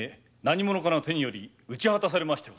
何者かの手により討ち果たされました。